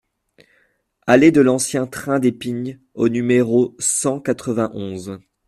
Allée de l'Ancien Train des Pignes au numéro cent quatre-vingt-onze